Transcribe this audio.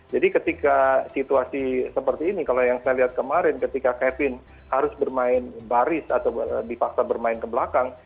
jadi ketika situasi seperti ini kalau yang saya lihat kemarin ketika kevin harus bermain baris atau di fakta bermain ke belakang